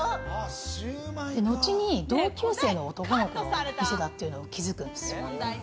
後に同級生の男の子の店だって気づくんですよ。